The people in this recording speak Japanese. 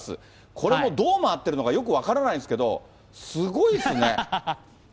これもどう回ってるのかよう分からないんですけど、すごいですね。